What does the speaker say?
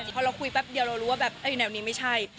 พอเราคุยแป๊บเดียวเรารู้ว่าแบบแนวนี้ไม่ใช่